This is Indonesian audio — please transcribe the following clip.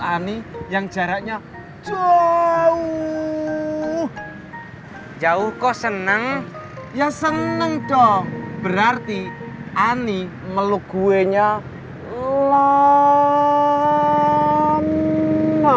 ani yang jaraknya jauh jauh kau seneng yang seneng dong berarti ani meluk gue nya lama